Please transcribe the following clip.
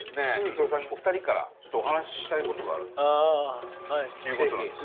功さんにお二人からちょっとお話ししたいことがあるということなんです。